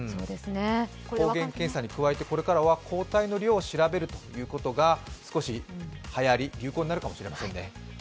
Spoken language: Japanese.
抗原検査に加えて、これからは抗体の量を測ることが少しはやり、流行になるかもしれませんね。